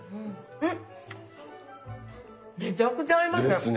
うん。